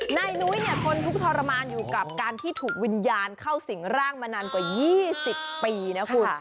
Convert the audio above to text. นายนุ้ยเนี่ยทนทุกข์ทรมานอยู่กับการที่ถูกวิญญาณเข้าสิงร่างมานานกว่า๒๐ปีนะคุณ